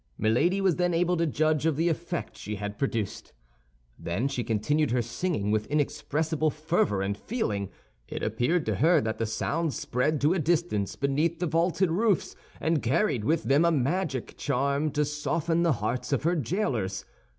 Milady was then able to judge of the effect she had produced. Then she continued her singing with inexpressible fervor and feeling. It appeared to her that the sounds spread to a distance beneath the vaulted roofs, and carried with them a magic charm to soften the hearts of her jailers.